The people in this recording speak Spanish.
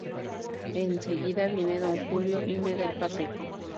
Enseguida viene Don Julio y me da el papel.